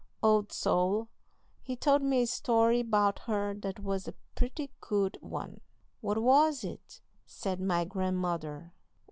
Old Sol, he told me a story 'bout her that was a pretty good un." "What was it?" said my grandmother.